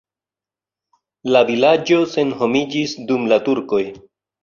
La vilaĝo senhomiĝis dum la turkoj.